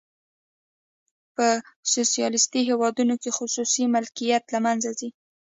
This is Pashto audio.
په سوسیالیستي هیوادونو کې خصوصي ملکیت له منځه ځي.